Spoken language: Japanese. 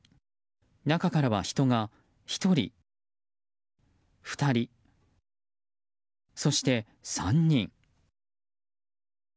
中からは人が１人、２人、そして３人。